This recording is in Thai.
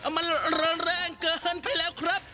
มันแรงเกินไปแล้วครับ